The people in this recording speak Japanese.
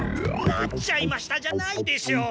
「なっちゃいました」じゃないでしょう！